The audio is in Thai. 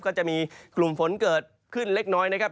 ก็จะมีกลุ่มฝนเกิดขึ้นเล็กน้อยนะครับ